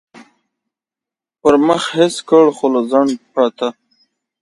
پر مخ حس کړ، خو له ځنډه پرته.